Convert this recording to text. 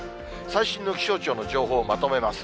最新の気象庁の情報まとめます。